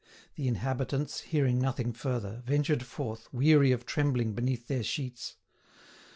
The inhabitants, hearing nothing further, ventured forth, weary of trembling beneath their sheets.